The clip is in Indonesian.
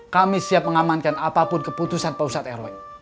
kami siap mengamankan apapun keputusan pak saterwe